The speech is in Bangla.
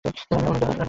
আমি অনুযা রাও।